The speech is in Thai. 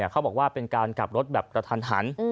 เขาบอกว่าเป็นการกลับรถแบบกระทันหัน